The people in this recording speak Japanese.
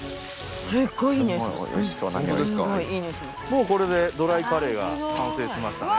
もうこれでドライカレーが完成しましたね。